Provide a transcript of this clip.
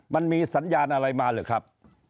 มันมีสัญญาณอะไรมาหรือครับ